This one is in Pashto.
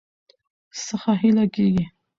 څخه هيله کيږي